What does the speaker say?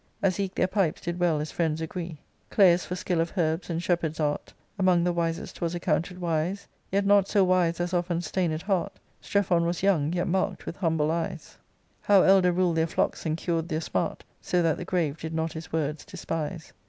As eke their pipes did well as friends agree. Claius for skill of herbs and shepherd's art Among the wisest was accounted wise, Yet not so wise as of unstained heart ; Strephon was young, yet mark'd with humble eyes ARCADIA.— Book L 109 How elder rul'd their flocks, and cur*d their smart, So that the grave did not his words despise.